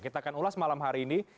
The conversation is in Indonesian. kita akan ulas malam hari ini